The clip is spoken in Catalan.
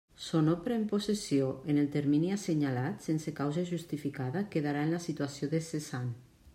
So no pren possessió en el termini assenyalat, sense causa justificada, quedarà en la situació de cessant.